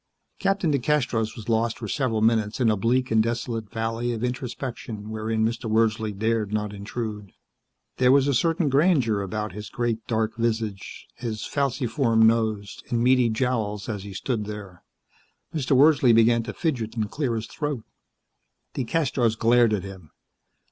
Captain DeCastros was lost for several minutes in a bleak and desolate valley of introspection wherein Mr. Wordsley dared not intrude. There was a certain grandeur about his great, dark visage, his falciform nose and meaty jowls as he stood there. Mr. Wordsley began to fidget and clear his throat. DeCastros glared at him.